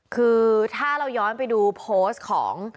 คือถ้าเราย้อนไปดูโพสต์ของ